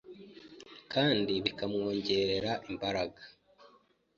kandi bikawongerera imbaraga.